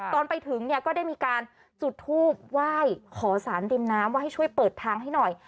ตอนไปถึงเนี่ยก็ได้มีการจุดทูบไหว้ขอสารริมน้ำว่าให้ช่วยเปิดทางให้หน่อย